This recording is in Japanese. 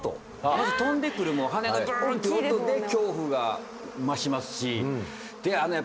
まず飛んでくる羽の「ブン」っていう音で恐怖が増しますし。